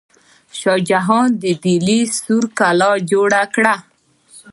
شاه جهان د ډیلي سور کلا جوړه کړه.